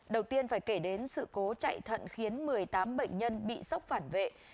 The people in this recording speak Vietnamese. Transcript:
đầu tiên phải kể đến sự cố chạy thận khiến một mươi tám bệnh nhân bị sốc phản vệ